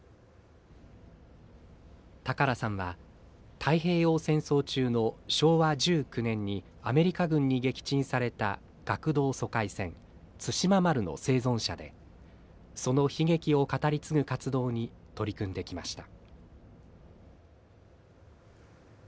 高良さんは太平洋戦争中の昭和１９年にアメリカ軍に撃沈された学童疎開船「対馬丸」の生存者でその悲劇を語り継ぐ活動に取り組んできました。